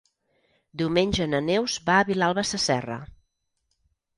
Diumenge na Neus va a Vilalba Sasserra.